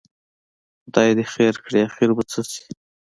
خدای دې خیر کړي، اخر به څه شي؟